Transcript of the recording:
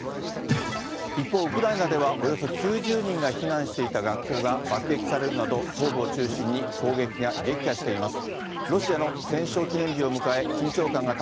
一方、ウクライナではおよそ９０人が避難していた学校が爆撃されるなど、東部を中心に攻撃が激化しています。